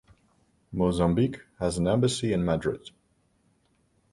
Mozambique has an embassy in Madrid.